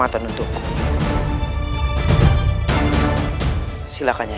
aku akan menangkapnya